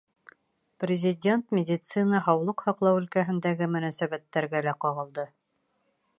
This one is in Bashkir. Президент медицина, һаулыҡ һаҡлау өлкәһендәге мөнәсәбәттәргә лә ҡағылды.